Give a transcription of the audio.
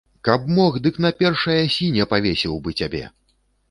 Каб мог, дык на першай асіне павесіў быў цябе.